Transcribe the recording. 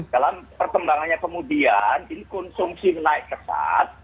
dalam perkembangannya kemudian ini konsumsi menaik kesat